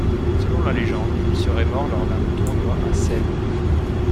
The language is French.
Selon la légende, il serait mort lors d'un tournoi à Celle.